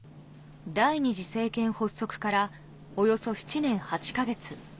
第２次政権発足からおよそ７年８か月。